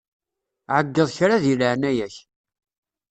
Ɛeyyeḍ-d kra di leɛnaya-k.